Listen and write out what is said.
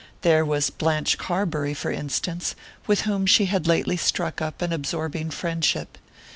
There was Blanche Carbury, for instance, with whom she had lately struck up an absorbing friendship...